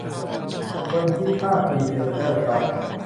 ควรคิดค่าพรีเซนเตอร์ครับ